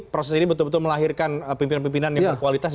proses ini betul betul melahirkan pimpinan pimpinan yang berkualitas